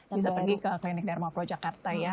bisa pergi ke klinik darwaba jakarta ya